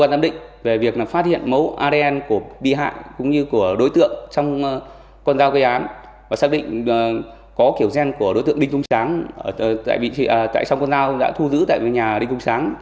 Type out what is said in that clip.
hắn đã xác định được thông báo sơ bộ của cơ quan giám định về việc phát hiện mấu adn của bị hại cũng như của đối tượng trong con dao gây án và xác định có kiểu gen của đối tượng đinh cung tráng tại trong con dao đã thu giữ tại nhà đinh cung tráng